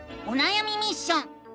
おなやみミッション！